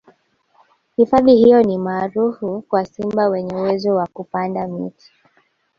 hifadhi hiyo ni maarufu kwa simba wenye uwezo wa kupanda miti